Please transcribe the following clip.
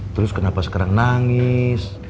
terus kenapa sekarang nangis